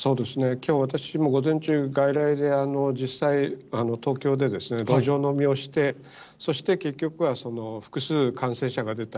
きょう私も午前中、外来で実際、東京で路上飲みをして、そして結局は、複数感染者が出た。